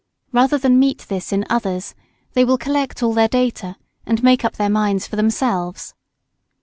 Rather than meet this in others, they will collect all their data, and make up their minds for themselves.